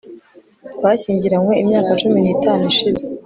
twashyingiranywe imyaka cumi nitanu ishize